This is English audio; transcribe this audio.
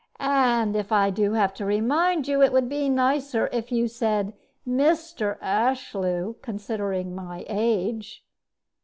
"And, if I do have to remind you, it would be nicer if you said 'Mr. Ashlew,' considering my age."